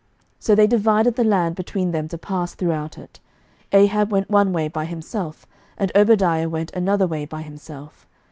11:018:006 So they divided the land between them to pass throughout it: Ahab went one way by himself, and Obadiah went another way by himself.